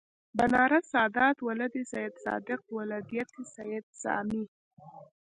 بنارس سادات ولد سیدصادق ولدیت سید سامي